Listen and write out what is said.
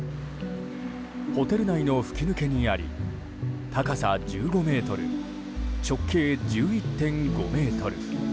ホテル内の吹き抜けにあり高さ１５ｍ、直径１１．５ｍ。